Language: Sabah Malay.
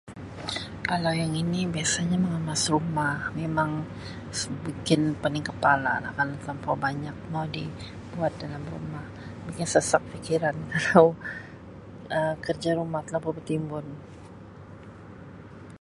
Kalau yang ini biasanya mengemas rumah mimang bikin pening kepala kalau telampau banyak mau di buat dalam rumah bikin sasak fikiran kalau Um kerja rumah telampau betimbun.